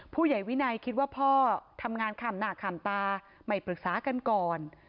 ผู้ใหญ่วินัยคิดว่าพ่อทำงานข้ามหน้าข้ามตาไม่ปรึกษากันก่อน